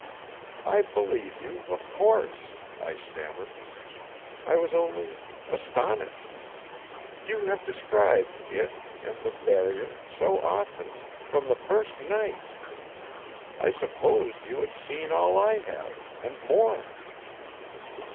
"I believe you, of course," I stammered. "I was only astonished. You have described It, and the Barrier, so often; from the first night ! I supposed you had seen all I have, and more."